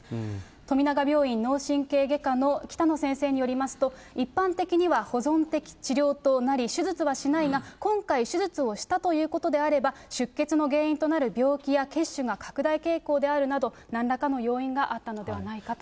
富永病院の脳神経外科の北野先生によりますと、一般的には保存的治療となり、手術はしないが、今回手術をしたということであれば、出血の原因となる病気や血腫が拡大傾向であるなど、なんらかの要因があったのではないかと。